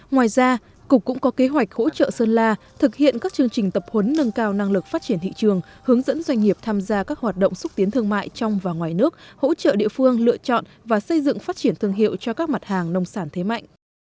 ngoài ra cục cũng có kế hoạch hỗ trợ sơn la thực hiện các chương trình tập huấn nâng cao năng lực phát triển thị trường hướng dẫn doanh nghiệp tham gia các hoạt động xúc tiến thương mại trong và ngoài nước hỗ trợ địa phương lựa chọn và xây dựng phát triển thương hiệu cho các mặt hàng nông sản thế mạnh